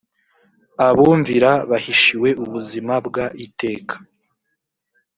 abumvira bahishiwe ubuzima bw iteka